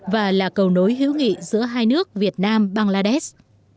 và là cầu nối hữu nghị giữa hai nước việt nam bangladesh